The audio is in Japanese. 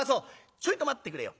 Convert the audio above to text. ちょいと待ってくれよ」。